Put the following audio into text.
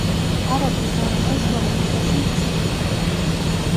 არაგვი ზემო და შუა დინებაში მთის მდინარეა.